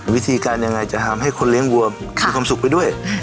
วิธีการยังไงจะทำให้คนเลี้ยงวัวมีความสุขไปด้วย